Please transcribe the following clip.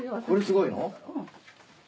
これ凄いの？